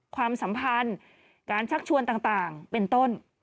ความสัมพันธ์การชักชวนต่างเป็นต้น